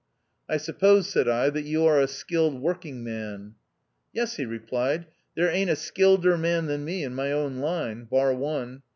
"I suppose," said I, "that you are a skilled working man." " Yes," he replied, " there ain't a skilleder man than me in my own line — bar one.